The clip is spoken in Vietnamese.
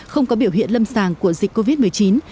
không có biểu hiện lâm sàng của dịch covid một mươi chín